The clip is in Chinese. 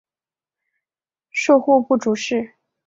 授户部主事。